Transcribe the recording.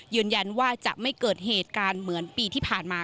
ยืนยันว่าจะไม่เกิดเหตุการณ์เหมือนปีที่ผ่านมา